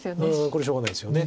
これしょうがないですよね。